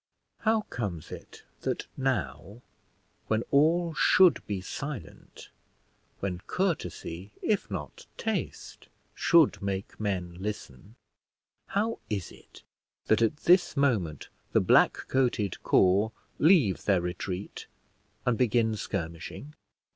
How comes it that now, when all should be silent, when courtesy, if not taste, should make men listen, how is it at this moment the black coated corps leave their retreat and begin skirmishing?